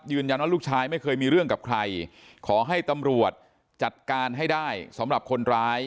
ลูกชายไม่เคยมีเรื่องกับใครขอให้ตำรวจจัดการให้ได้สำหรับคนร้าย